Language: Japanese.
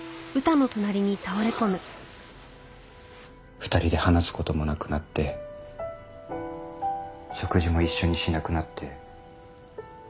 ２人で話す事もなくなって食事も一緒にしなくなって。